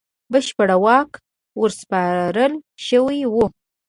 بشپړ واک ورسپارل شوی وو.